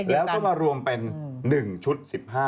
แล้วก็มารวมเป็น๑ชุด๑๕